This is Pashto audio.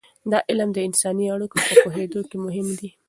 دا علم د انساني اړیکو په پوهیدو کې مهم دی.